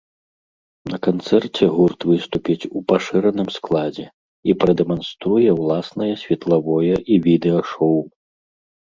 На канцэрце гурт выступіць у пашыраным складзе і прадэманструе ўласнае светлавое і відэашоў.